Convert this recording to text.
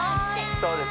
そうです